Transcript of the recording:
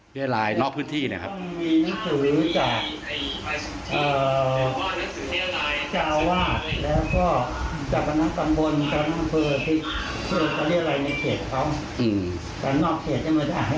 เลี่ยรายนอกพื้นที่น่ะครับไม่มีหน้าสูตร